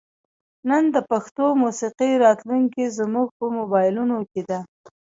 نن د پښتو موسیقۍ راتلونکې زموږ په موبایلونو کې ده.